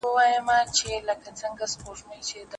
فرشتې زرغونوي سوځلي کلي